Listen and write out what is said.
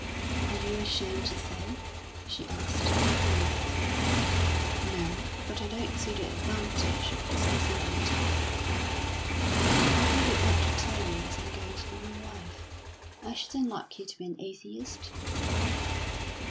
"Are you ashamed to say?" she asked, gravely. "No; but I don't see the advantage of discussing the matter." "I think you ought to tell me as I'm going to be your wife. I shouldn't like you to be an atheist."